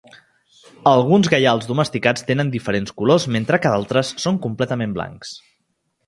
Alguns gaials domesticats tenen diferents colors, mentre que altres són completament blancs.